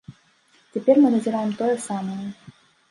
Цяпер мы назіраем тое самае.